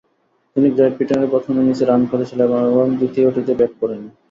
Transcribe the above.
তিনি গ্রেট ব্রিটেনের প্রথম ইনিংসে রান করেছিলেন এবং দ্বিতীয়টিতে ব্যাট করেননি।